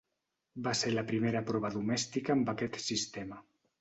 Va ser la primera prova domèstica amb aquest sistema.